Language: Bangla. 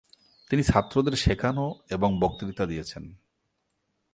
তিনি ছাত্রদের শেখানো এবং বক্তৃতা দিয়েছেন।